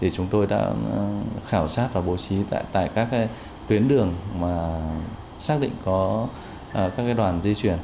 chúng tôi đã khảo sát và bố trí tại các tuyến đường xác định có các đoàn di chuyển